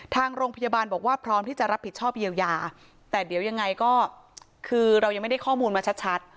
ทางโรงพยาบาลบอกว่าพร้อมที่จะรับผิดชอบเยียวยาแต่เดี๋ยวยังไงก็คือเรายังไม่ได้ข้อมูลมาชัด